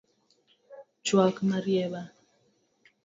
Chuak marieba